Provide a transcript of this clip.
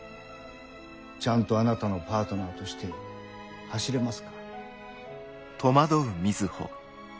ちゃんとあなたのパートナーとして走れますか？